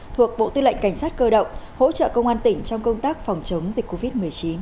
thuộc bộ tư lệnh cảnh sát cơ động hỗ trợ công an tỉnh trong công tác phòng chống dịch covid một mươi chín